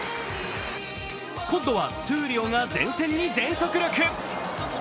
今度は闘莉王が前線に全速力！